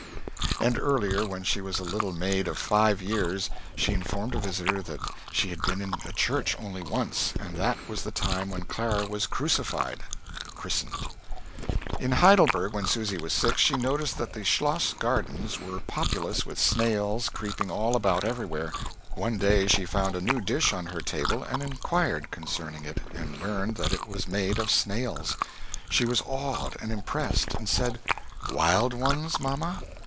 And earlier, when she was a little maid of five years, she informed a visitor that she had been in a church only once, and that was the time when Clara was "crucified" [christened].... In Heidelberg, when Susy was six, she noticed that the Schloss gardens were populous with snails creeping all about everywhere. One day she found a new dish on her table and inquired concerning it, and learned that it was made of snails. She was awed and impressed, and said: "Wild ones, mamma?"